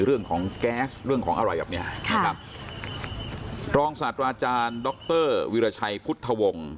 เรื่องของแก๊สเรื่องของอะไรแบบเนี้ยนะครับรองศาสตราอาจารย์ดรวิราชัยพุทธวงศ์